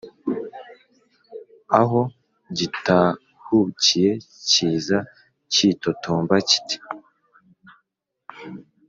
aho gitahukiye kiza kitotomba kiti: